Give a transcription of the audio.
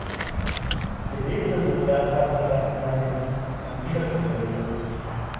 Gelebte Sozialpartnerschaft, meine ich, kann viele Probleme lösen.